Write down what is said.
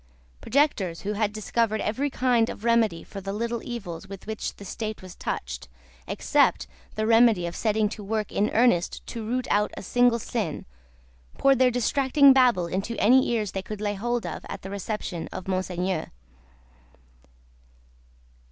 Projectors who had discovered every kind of remedy for the little evils with which the State was touched, except the remedy of setting to work in earnest to root out a single sin, poured their distracting babble into any ears they could lay hold of, at the reception of Monseigneur.